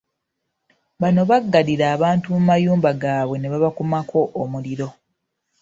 Bano baggalira abantu mu mayumba gaabwe ne babakumako omuliro .